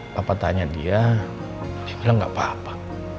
papa tanya dia dia bilang gak apa apa